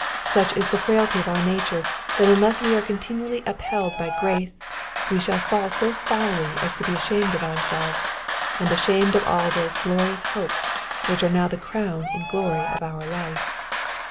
Such is the frailty of our nature that unless we are continually upheld by grace, we shall fall so foully as to be ashamed of ourselves, and ashamed of all those glorious hopes which are now the crown and glory of our life.